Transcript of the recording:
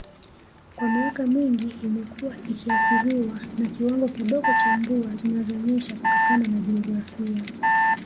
Kwa miaka mingi imekuwa ikiathiriwa na kiwango kidogo cha mvua zinazonyesha kutokana na jiografia